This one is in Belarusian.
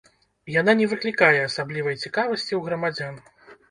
Яна не выклікае асаблівай цікавасці ў грамадзян.